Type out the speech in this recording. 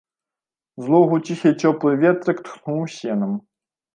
З логу ціхі, цёплы ветрык тхнуў сенам.